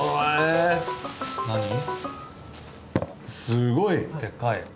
すごい。でっかい。